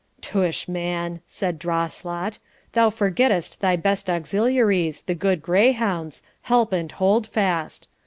'Tush, man,' said Drawslot, 'thou forgettest thy best auxiliaries, the good greyhounds, Help and Holdfast!